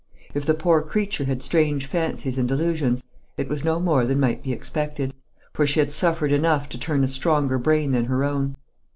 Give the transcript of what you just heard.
If the poor creature had strange fancies and delusions, it was no more than might be expected; for she had suffered enough to turn a stronger brain than her own.